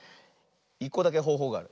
１こだけほうほうがある。